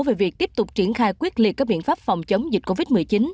về việc tiếp tục triển khai quyết liệt các biện pháp phòng chống dịch covid một mươi chín